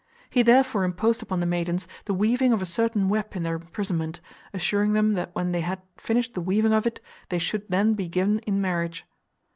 He therefore imposed upon the maidens the weaving of a certain web in their imprisonment, assuring them that when they had finished the weaving of it, they should then be given in marriage.